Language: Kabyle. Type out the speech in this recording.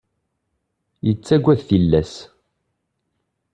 Yettagad tillas.